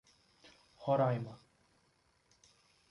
Roraima